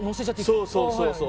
そうそうそうそう。